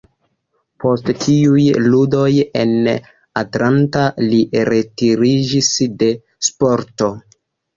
Post tiuj ludoj en Atlanta li retiriĝis de sporto.